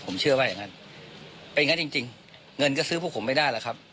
ผมเชื่อว่าอย่างนั้นเป็นอย่างนั้นจริงจริงเงินก็ซื้อพวกผมไม่ได้แล้วครับ